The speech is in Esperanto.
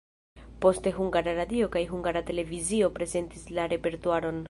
Poste Hungara Radio kaj Hungara Televizio prezentis la repertuaron.